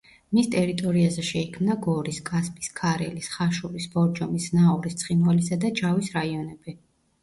მის ტერიტორიაზე შეიქმნა გორის, კასპის, ქარელის, ხაშურის, ბორჯომის, ზნაურის, ცხინვალისა და ჯავის რაიონები.